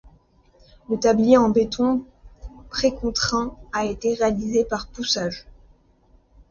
Le tablier en béton précontraint a été réalisé par poussage.